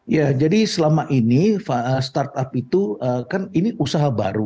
ya jadi selama ini startup itu kan ini usaha baru